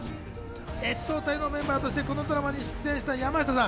越冬隊のメンバーとしてこのドラマに出演した山下さん。